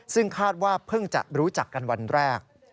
ซึ่งคาดว่าเพิ่งจะรู้จักกันวันแรก